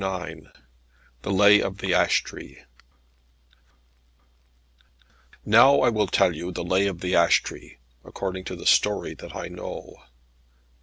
IX THE LAY OF THE ASH TREE Now will I tell you the Lay of the Ash Tree, according to the story that I know.